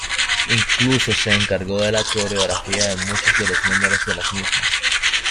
Incluso se encargó de la coreografía de muchos de los números de las mismas.